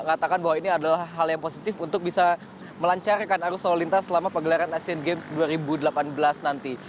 mengatakan bahwa ini adalah hal yang positif untuk bisa melancarkan arus lalu lintas selama pegelaran asian games dua ribu delapan belas nanti